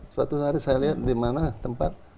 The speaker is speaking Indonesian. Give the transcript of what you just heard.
suatu hari saya lihat dimana tempat